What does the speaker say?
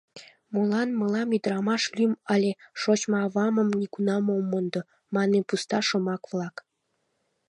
Молан мылам ӱдырамаш лӱм але «Шочмо авамым нигунам ом мондо!» манме пуста шомак-влак?!